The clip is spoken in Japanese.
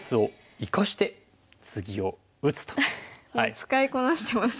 もう使いこなしてますね。